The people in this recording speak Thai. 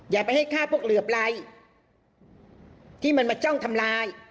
อย่าไปให้ฆ่าพวกเหลือบไรที่มันมาจ้องทำลาย